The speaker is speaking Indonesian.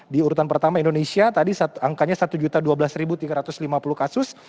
di urutan pertama indonesia tadi angkanya satu dua belas tiga ratus lima puluh kasus